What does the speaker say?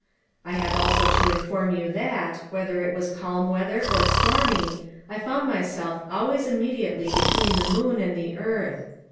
I have also to inform you that, whether it was calm weather or stormy, I found myself _always immediately between the moon and the earth.